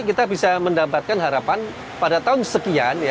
kita bisa mendapatkan harapan pada tahun sekian